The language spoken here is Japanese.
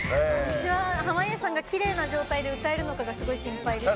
濱家さんがきれいな状態で歌えるのかがすごい心配です。